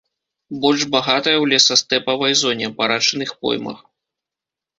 Больш багатая ў лесастэпавай зоне, па рачных поймах.